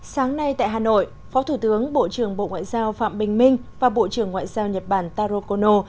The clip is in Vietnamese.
sáng nay tại hà nội phó thủ tướng bộ trưởng bộ ngoại giao phạm bình minh và bộ trưởng ngoại giao nhật bản taro kono